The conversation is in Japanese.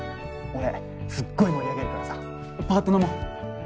俺すっごい盛り上げるからさパーっと飲もう。